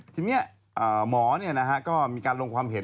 ทีนี้หมอเนี่ยนะฮะก็มีการลงความเห็น